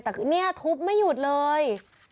แต่เนี่ยทุบไม่หยุดเลย